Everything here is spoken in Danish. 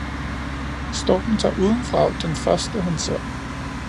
Storken tager uden vrag den første, han ser